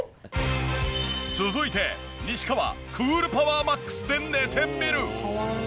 続いて西川クールパワーマックスで寝てみる。